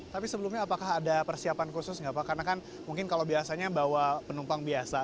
tapi sebelumnya apakah ada persiapan khusus nggak pak karena kan mungkin kalau biasanya bawa penumpang biasa